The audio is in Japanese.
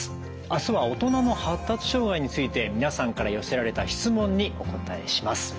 明日は「大人の発達障害」について皆さんから寄せられた質問にお答えします。